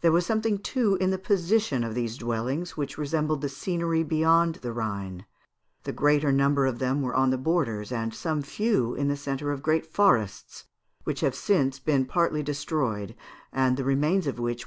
There was something too in the position of these dwellings which resembled the scenery beyond the Rhine; the greater number of them were on the borders, and some few in the centre of great forests, which have since been partly destroyed, and the remains of which we so much admire."